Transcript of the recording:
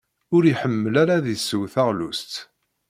Ur iḥemmel ara ad isew taɣlust.